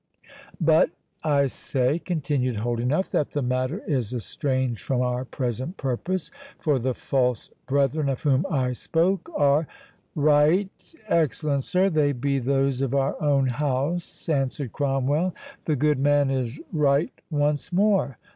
"But, I say," continued Holdenough, "that the matter is estranged from our present purpose, for the false brethren of whom I spoke are"— "Right, excellent sir, they be those of our own house," answered Cromwell; "the good man is right once more.